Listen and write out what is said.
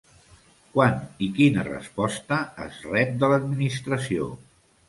Quan i quina resposta es rep de l'Administració?